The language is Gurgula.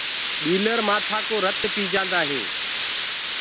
ڏيٚلر مآٿآ ڪو رت پي جآندآ هينٚ۔